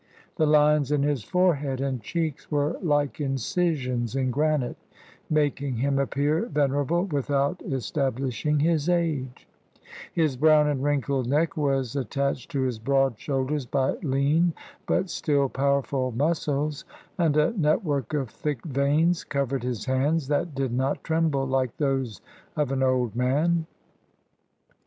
The lines in his forehead and cheeks were like incisions in granite, making him appear venerable without estab lishing his age; his brown and wrinkled neck was at tached to his broad shoulders by lean but still powerful muscles, and a network of thick veins covered his hands, that did not tremble like those of an old man.